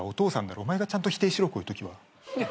お前がちゃんと否定しろこういうときは。